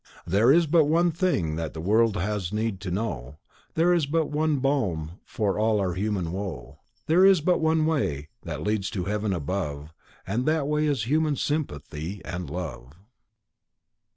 There is but one thing that the world has need to know; There is but one balm for all our human woe There is but one way that leads to heaven above; That way is human sympathy and love.